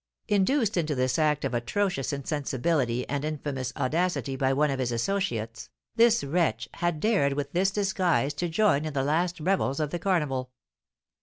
Induced into this act of atrocious insensibility and infamous audacity by one of his associates, this wretch had dared with this disguise to join in the last revels of the carnival.